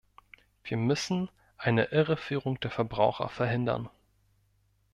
Wir müssen eine Irreführung der Verbraucher verhindern.